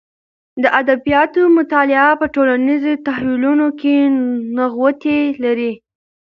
د ادبیاتو مطالعه په ټولنیز تحولونو کې نغوتې لري.